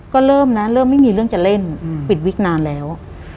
ก็เริ่มนะเริ่มไม่มีเรื่องจะเล่นปิดวิกนานแล้ว